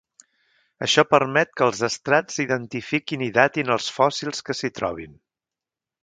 Això permet que els estrats identifiquin i datin els fòssils que s'hi trobin.